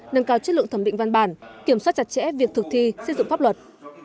nâng cao chất lượng thẩm định văn bản kiểm soát chặt chẽ việc thực thi xây dựng pháp luật